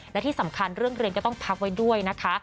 และที่สำคัญเรื่องเรียนก็ต้องพักไว้ด้วยนะคะ